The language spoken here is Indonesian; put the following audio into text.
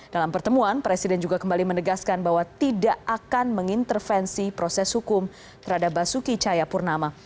dalam pertemuan presiden juga kembali menegaskan bahwa tidak akan mengintervensi proses hukum terhadap basuki cahayapurnama